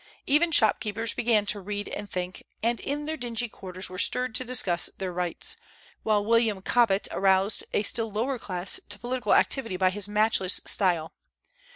Even shopkeepers began to read and think, and in their dingy quarters were stirred to discuss their rights; while William Cobbett aroused a still lower class to political activity by his matchless style.